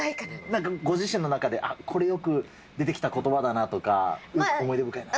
なんかご自身の中で、あっ、これ、よく出てきたことばだなとか、思い出深いなという。